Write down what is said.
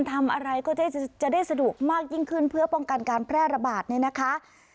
ทำอะไรก็จะได้สะดวกมากยิ่งขึ้นเพื่อป้องกันการแพร่ระบาดเนี่ยนะคะ